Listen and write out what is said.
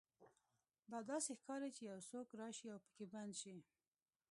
دا داسې ښکاري چې یو څوک راشي او پکې بند شي